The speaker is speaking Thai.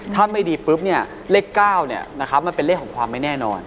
ถ้าไม่ดีปุ๊บเนี่ยเลข๙มันเป็นเลขของความไม่แน่นอน